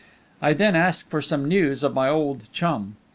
I then asked for some news of my old "chum."